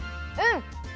うん。